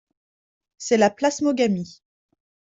C’est la plasmogamie.